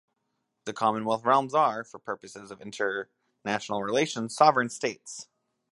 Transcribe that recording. The Commonwealth realms are, for purposes of international relations, sovereign states.